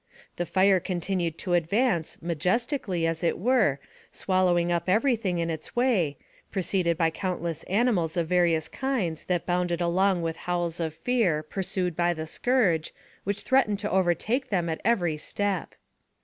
The fire continued to advance majestically, as it were, swallowing up every thing in its way, preceded by countless animals of various kinds, that bounded along with howls of fear, pursued by the scourge, which threatened to overtake them at every step.